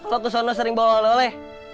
kok kesana sering bawa lalole